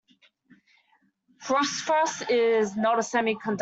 Phosphorus is not a semiconductor.